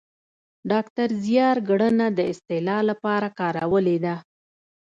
ډاکتر زیار ګړنه د اصطلاح لپاره کارولې ده